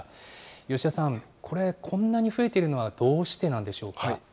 吉田さん、これ、こんなに増えているのはどうしてなんでしょうか。